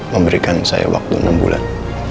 memberikan saya waktu enam bulan